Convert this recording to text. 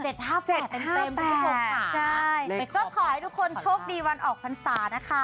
๗๕๘เต็มทุกค่ะเล็กขอบคุณค่ะค่ะก็ขอให้ทุกคนโชคดีวันออกภัณฑ์ศาสตร์นะคะ